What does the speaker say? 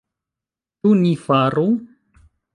Ĉu ni faru?